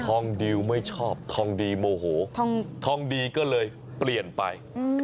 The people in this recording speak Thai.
ดิวไม่ชอบทองดีโมโหทองดีก็เลยเปลี่ยนไป